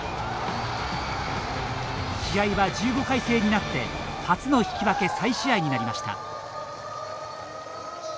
試合は１５回制になって初の引き分け再試合になりました。